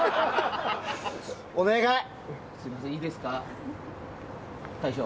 お願い。